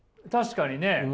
確かにね。